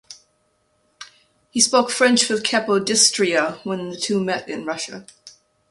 He spoke French with Capodistria when the two met in Russia.